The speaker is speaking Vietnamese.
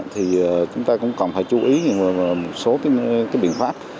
thì chúng ta cũng cần phải chú ý nhiều vào một số biện pháp